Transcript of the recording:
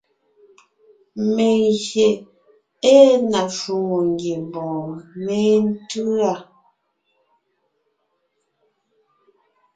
Mengyè ée na shwòŋo ngiembɔɔn méntʉ̂a.